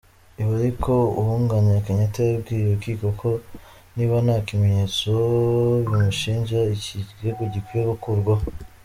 Ibi ariko, Uwunganira Kenyatta yabwiye urukiko ko niba nta bimenyetso bimushinja, ikirego gikwiye gukurwaho.